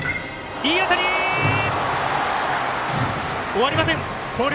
終わりません、広陵。